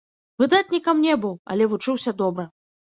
Выдатнікам не быў, але вучыўся добра.